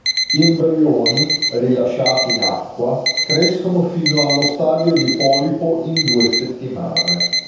Gli embrioni, rilasciati in acqua, crescono fino allo stadio di polipo in due settimane.